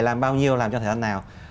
làm bao nhiêu làm cho thời gian nào